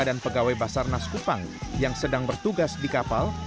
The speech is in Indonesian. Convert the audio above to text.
dan pegawai basar naskupang yang sedang bertugas di kapal